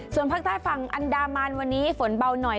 ส่วนภาคใต้ฝั่งอันดามันวันนี้ฝนเบาหน่อย